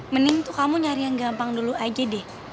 mending tuh kamu nyari yang gampang dulu aja deh